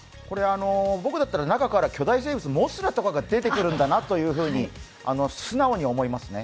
僕だったら中から巨大生物、モスラとかが出てくるんだなと素直に思いますね。